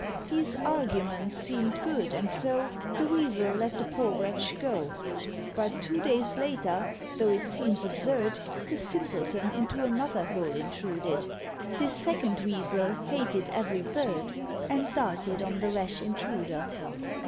These arguments seemed good, and so The Weasel let the poor wretch go. But two days later, though it seems absurd, The simpleton into another hole intruded. This second Weasel hated every bird, And darted on the rash intruder.